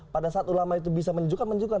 pada saat ulama itu bisa menunjukkan